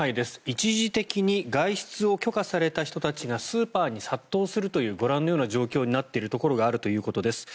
一時的に外出を許可された人たちがスーパーに殺到するというご覧のような状況になっているところがあるということです。